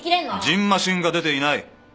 じんましんが出ていない。